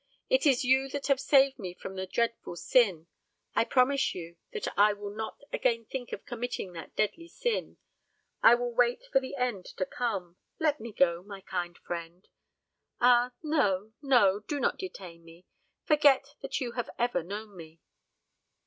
It is you that have saved me from a dreadful sin. I promise you that I will not again think of committing that deadly sin. I will wait for the end to come. Let me go, my kind friend. Ah, no, no; do not detain me! Forget that you have ever known me."